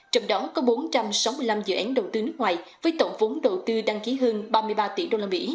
trong đó có bốn trăm sáu mươi năm dự án đầu tư nước ngoài với tổng phốn đầu tư đăng ký hơn ba mươi ba tỷ đô la mỹ